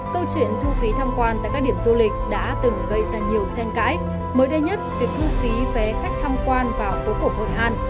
câu chuyện thu phí tham quan tại các điểm du lịch đã từng gây ra nhiều tranh cãi mới đây nhất việc thu phí vé khách tham quan vào phố cổ hội an